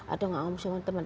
atau ngomong sama temen